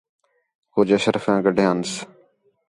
کُج اشرفیاں گڈھیانس